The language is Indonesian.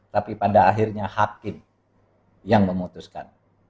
tapi pada akhirnya hakim yang memutuskan